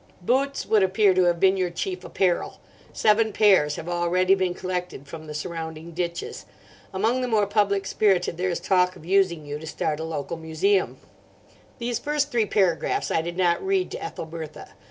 Boots would appear to have been your chief apparel. Seven pairs have already been collected from the surrounding ditches. Among the more public spirited there is talk of using you to start a local museum." These first three paragraphs I did not read to Ethelbertha.